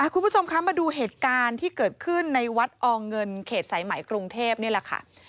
คุณผู้ชมคะมาดูเหตุการณ์ที่เกิดขึ้นในวัดอเงินเขตสายไหมกรุงเทพนี่แหละค่ะ